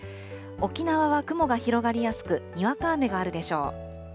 沖縄は雲が広がりやすくにわか雨があるでしょう。